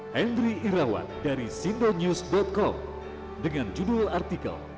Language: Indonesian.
hendri irawat dari sindonews com dengan judul artikel